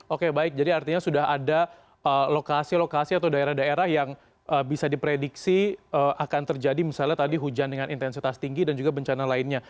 oke baik jadi artinya sudah ada lokasi lokasi atau daerah daerah yang bisa diprediksi akan terjadi misalnya tadi hujan dengan intensitas tinggi dan juga bencana lainnya